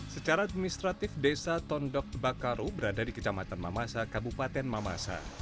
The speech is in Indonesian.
secara administratif desa tondok bakaru berada di kecamatan mamasa kabupaten mamasa